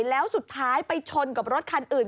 แล้วสุดท้ายไปชนกับรถคันอื่น